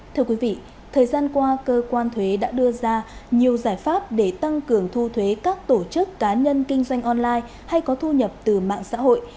thưa quý vị thời gian qua cơ quan thuế đã đưa ra nhiều giải pháp để tăng cường thu thuế các tổ chức cá nhân kinh doanh online hay có thu nhập từ mạng xã hội